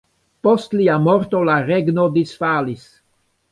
Post lia morto la regno disfalis.